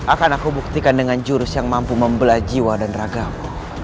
akan aku buktikan dengan jurus yang mampu membelah jiwa dan ragammu